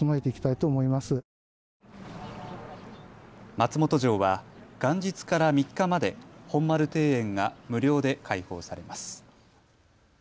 松本城は元日から３日まで本丸庭園が無料で開放されます。